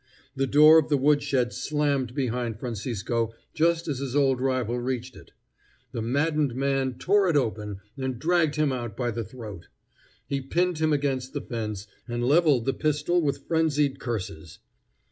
The door of the woodshed slammed behind Francisco just as his old rival reached it. The maddened man tore it open and dragged him out by the throat. He pinned him against the fence, and leveled the pistol with frenzied curses.